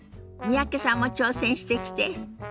三宅さんも挑戦してきて。